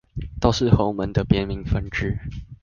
都是洪門的別名分支